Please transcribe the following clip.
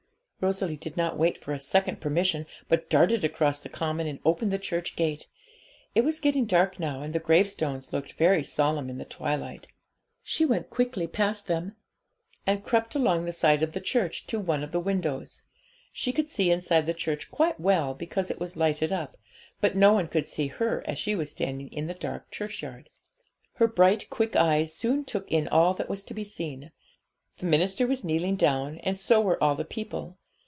Rosalie did not wait for a second permission, but darted across the common, and opened the church gate. It was getting dark now, and the gravestones looked very solemn in the twilight. She went quickly past them, and crept along the side of the church to one of the windows. She could see inside the church quite well, because it was lighted up; but no one could see her as she was standing in the dark churchyard. Her bright quick eyes soon took in all that was to be seen. The minister was kneeling down, and so were all the people.